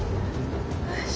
よし！